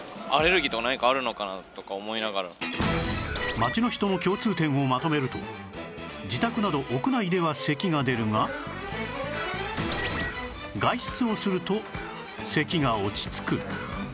街の人の共通点をまとめると自宅など屋内では咳が出るが外出をすると咳が落ち着く